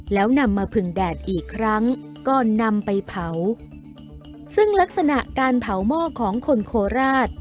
แล้วนำมาผึงแดดอีกครั้งก็นำไปเผาซึ่งลักษณะการเผาหม้อของคนโคราช